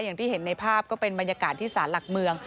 อย่างที่เห็นในภาพก็เป็นบรรยากาศที่ศาลหลักเมือง